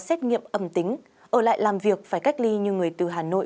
xét nghiệm âm tính ở lại làm việc phải cách ly như người từ hà nội